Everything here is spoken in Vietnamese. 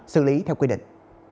xử lý theo quy định